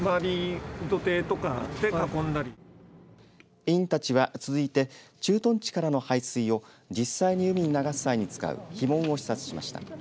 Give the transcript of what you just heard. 委員たちは続いて駐屯地からの排水を実際に海に流す際に使う樋門を視察しました。